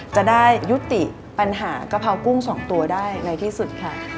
จะได้ยุติปัญหากะเพรากุ้ง๒ตัวได้ในที่สุดค่ะ